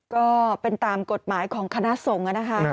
ก็เป็นตามกฎหมายของคณะสงฆ์นะคะ